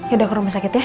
yaudah ke rumah sakit ya